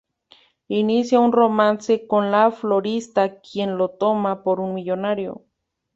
Inicia un romance con la florista, quien lo toma por un millonario.